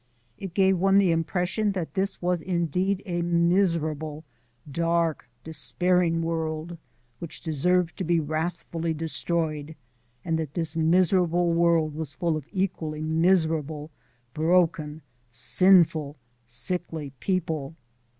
It gave one the impression that this was indeed a miserable, dark, despairing world, which deserved to be wrathfully destroyed, and that this miserable world was full of equally miserable, broken, sinful, sickly people.